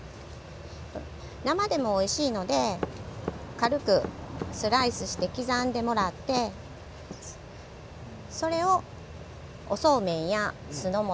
生でもおいしいので軽くスライスして刻んでもらってそれをおそうめんや酢の物